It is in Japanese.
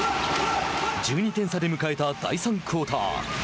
１２点差で迎えた第３クオーター。